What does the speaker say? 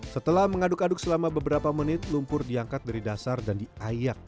setelah mengaduk aduk selama beberapa menit lumpur diangkat dari dasar dan diayak